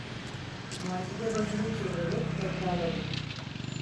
Macide başını çevirerek tekrarladı: